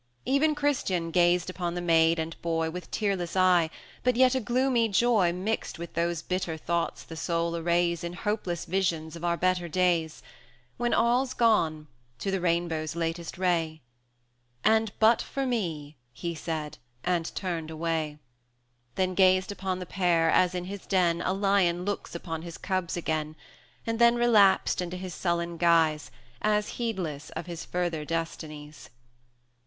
Even Christian gazed upon the maid and boy With tearless eye, but yet a gloomy joy Mixed with those bitter thoughts the soul arrays In hopeless visions of our better days, When all's gone to the rainbow's latest ray. "And but for me!" he said, and turned away; Then gazed upon the pair, as in his den A lion looks upon his cubs again; 210 And then relapsed into his sullen guise, As heedless of his further destinies.